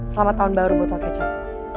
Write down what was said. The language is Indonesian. selamat tahun baru buta kecap